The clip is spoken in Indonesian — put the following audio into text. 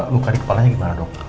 luka di kepalanya gimana dok